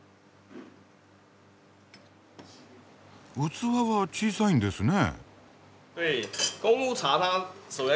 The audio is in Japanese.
器は小さいんですね。